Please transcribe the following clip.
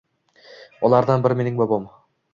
Ulardan biri mening bobom